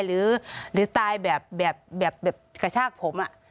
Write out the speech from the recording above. หรือตายแบบกระชากผม